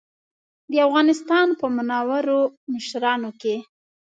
د افغانستان په منورو مشرانو کې.